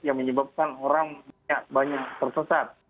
yang menyebabkan orang banyak tersesat